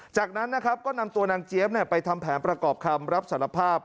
จากนั้นนะครับก็นำตัวนางเจี๊ยบไปทำแผนประกอบคำรับสารภาพ